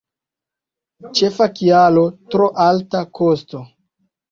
Ĉefa kialo: tro alta kosto.